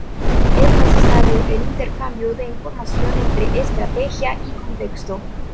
Es necesario el intercambio de información entre estrategia y contexto.